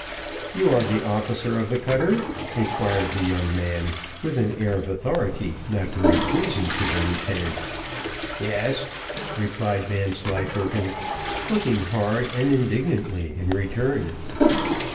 "You are the officer of the cutter?" inquired the young man, with an air of authority not very pleasing to the lieutenant. "Yes," replied Vanslyperken, looking hard and indignantly in return.